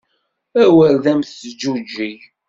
Awer d am teǧǧuǧeg!